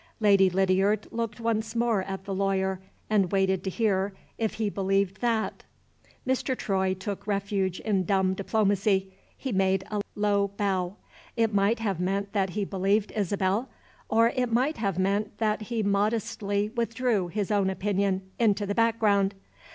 Lady Lydiard looked once more at the lawyer, and waited to hear if he believed that. Mr. Troy took refuge in dumb diplomacy he made a low bow. It might have meant that he believed Isabel, or it might have meant that he modestly withdrew his own opinion into the background.